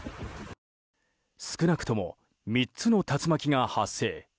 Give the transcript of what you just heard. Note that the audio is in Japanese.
少なくとも３つの竜巻が発生。